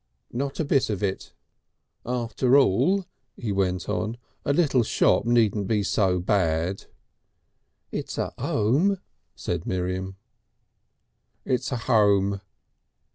"Not a bit of it." "After all," he went on, "a little shop needn't be so bad." "It's a 'ome," said Miriam. "It's a home."